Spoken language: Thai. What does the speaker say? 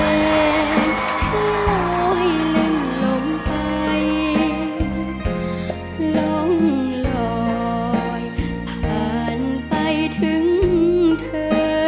แม้จะเหนื่อยหล่อยเล่มลงไปล้องลอยผ่านไปถึงเธอ